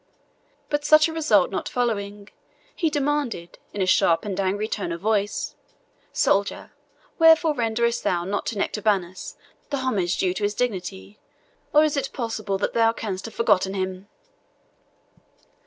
But such a result not following, he demanded, in a sharp and angry tone of voice, "Soldier, wherefore renderest thou not to Nectabanus the homage due to his dignity? Or is it possible that thou canst have forgotten him?"